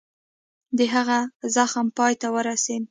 د هغه زغم پای ته ورسېد.